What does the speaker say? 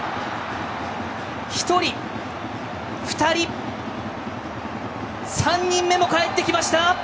１人、２人３人目もかえってきました！